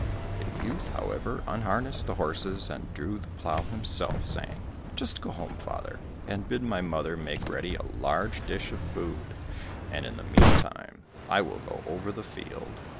The youth, however, unharnessed the horses, and drew the plough himself, saying, "Just go home, father, and bid my mother make ready a large dish of food, and in the meantime I will go over the field."